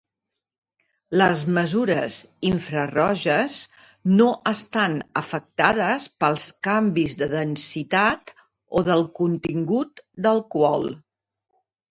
Les mesures infraroges no estan afectades pels canvis de densitat o del contingut d'alcohol.